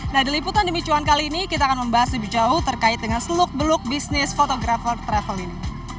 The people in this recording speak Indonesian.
nah di liputan demi cuan kali ini kita akan membahas lebih jauh terkait dengan seluk beluk bisnis fotografer travel ini